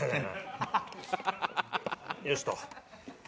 よしと。